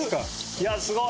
いやすごい！